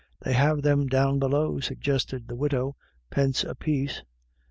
" They have them down below," suggested the widow, " pence a piece."